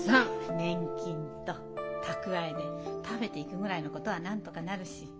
年金と蓄えで食べていくぐらいのことはなんとかなるし。